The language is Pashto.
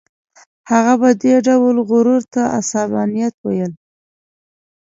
هغه به دې ډول غرور ته عصبانیت ویل.